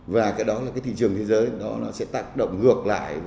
và cái đó là thị trường thế giới sẽ tác động ngược lại